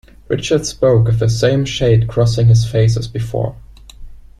Richard spoke with the same shade crossing his face as before.